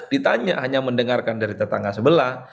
ditanya hanya mendengarkan dari tetangga sebelah